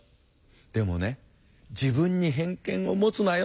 でもね自分に偏見を持つなよ」